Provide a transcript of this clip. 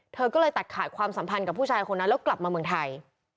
เธอก็เลยตัดขาดความสัมพันธ์กับผู้ชายคนนั้นแล้วกลับมาเมืองไทย